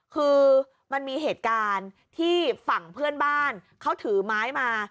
คือมันมีเหตุการณ์ที่ฝั่งเพื่อนบ้านเขาถือไม้มา